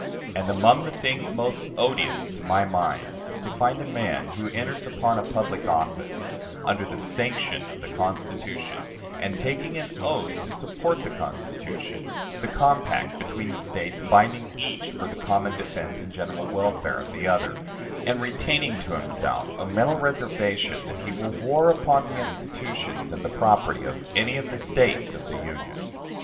And among the things most odious to my mind is to find a man who enters upon a public office, under the sanction of the Constitution, and taking an oath to support the Constitution the compact between the States binding each for the common defense and general welfare of the other and retaining to himself a mental reservation that he will war upon the institutions and the property of any of the States of the Union.